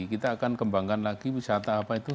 kita akan kembangkan lagi wisata apa itu